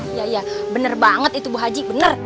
iya iya bener banget itu bu haji benar